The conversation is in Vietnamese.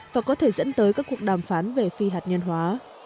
và có thể dẫn tới các cuộc đàm phán về phi hạt nhân hóa